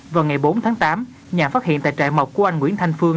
vào ngày bốn tháng tám nhà phát hiện tại trại mọc của anh nguyễn thanh phương